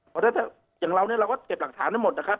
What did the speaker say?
เพราะถ้าอย่างเราเนี่ยเราก็เก็บหลักฐานทั้งหมดนะครับ